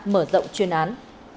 mở rộng chuyên án